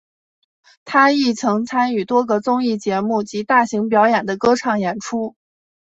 他亦曾参与多个综艺节目及大型表演的歌唱演出。